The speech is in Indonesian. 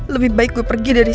lebih baik gue pergi dari